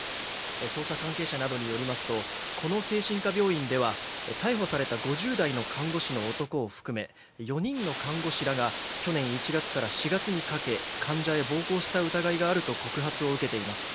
捜査関係者などによりますとこの精神科病院では逮捕された５０代の看護師の男を含め４人の看護師らが去年１月から４月にかけ患者へ暴行した疑いがあると告発を受けています。